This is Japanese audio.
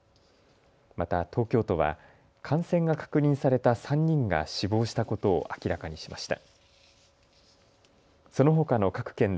また東京都は感染が確認された３人が死亡したことを明らかにしました。